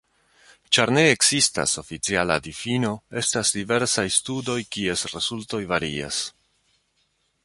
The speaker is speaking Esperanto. Ĉar ne ekzistas oficiala difino, estas diversaj studoj kies rezultoj varias.